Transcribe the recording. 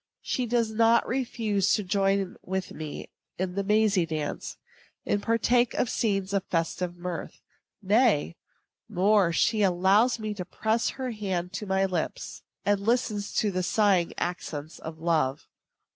She does not refuse to join with me in the mazy dance, and partake the scenes of festive mirth. Nay, more; she allows me to press her hand to my lips, and listens to the sighing accents of love.